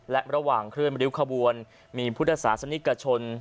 และระหว่างขบวนมีผุทธศาสนิกชน